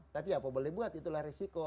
tapi apa boleh buat itulah risiko